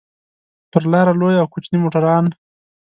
پر لاره لوی او کوچني موټران.